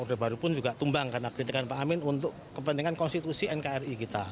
orde baru pun juga tumbang karena kritikan pak amin untuk kepentingan konstitusi nkri kita